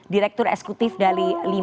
direktur esekutif dali lima